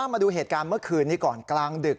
มาดูเหตุการณ์เมื่อคืนนี้ก่อนกลางดึก